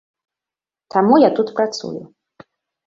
Таму я тут працую!